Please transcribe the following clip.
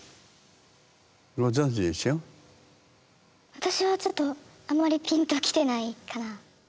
私はちょっとあんまりピンと来てないかな。